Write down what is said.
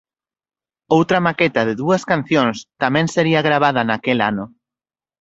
Outra maqueta de dúas cancións tamén sería gravada naquel ano.